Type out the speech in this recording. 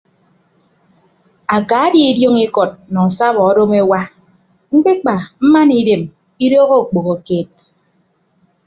Aka die idiọñ ikọt nọ asabọ odom ewa ñkpekpa mmana idem idooho okpoho keed.